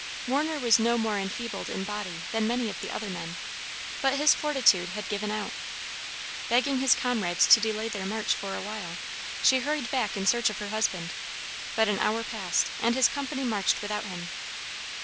Warner was no more enfeebled in body than many of the other men, but his fortitude had given out. Begging his comrades to delay their march for a while, she hurried back in search of her husband, but an hour passed, and his company marched without him.